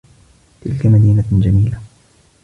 تلك مدينة جميلة.